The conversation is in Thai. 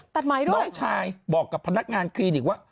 ด้วยน้องชายบอกกับพนักงานคลินิกว่า